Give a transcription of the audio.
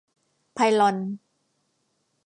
ไพลอน